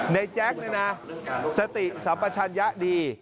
ในแจ๊กซ์ในหน้าสติสัมประชัญญะดี